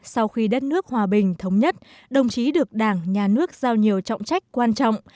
sau khi đất nước hòa bình thống nhất đồng chí được đảng nhà nước giao nhiều trọng trách quan trọng